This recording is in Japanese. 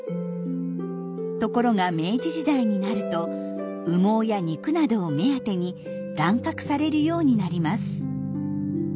ところが明治時代になると羽毛や肉などを目当てに乱獲されるようになります。